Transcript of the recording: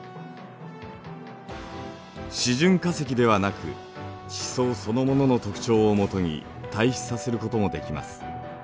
示準化石ではなく地層そのものの特徴をもとに対比させることもできます。